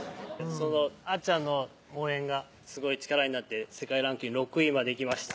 そのあっちゃんの応援がすごい力になって世界ランキング６位までいきました